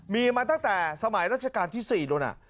มีมาตั้งแต่สมัยราชการที่๔โดน